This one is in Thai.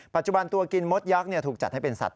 ปัจจุบันตัวกินมดยักษ์ถูกจัดให้เป็นสัตว